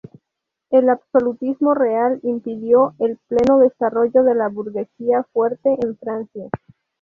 El absolutismo real impidió el pleno desarrollo de una burguesía fuerte en Francia.